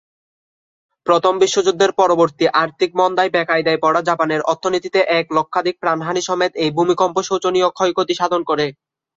প্রথম বিশ্বযুদ্ধের পরবর্তী আর্থিক মন্দায় বেকায়দায় পড়া জাপানের অর্থনীতিতে এক লক্ষাধিক প্রাণহানি সমেত এই ভূমিকম্প শোচনীয় ক্ষয়ক্ষতি সাধন করে।